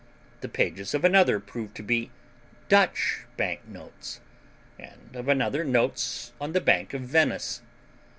The pages of another proved to be Dutch bank notes, and, of another, notes on the Bank of Venice.